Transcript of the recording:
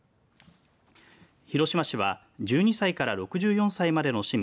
広島市は１２歳から６４歳までの市民